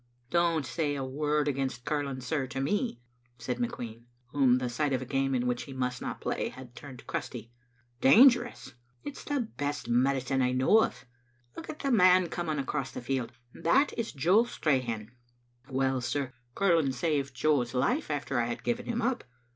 " Don't say a word against curling, sir, to me," said McQueen, whom the sight of a game in which he must not play had turned crusty. " Dangerous ! It's the best medicine I know of. Look at that man coming across the field. It is Jo Strachan. Well, sir, curling saved Jo's life after I had given him up.